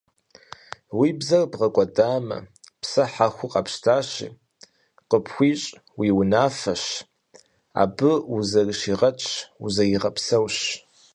Уи бзэр бгъэкӀуэдамэ, псэ хьэху къэпщтащи, къыпхуищӀ уи унафэщ, абы узэрыщигъэтщ, узэригъэпсэущ.